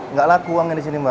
nggak laku uangnya di sini mbak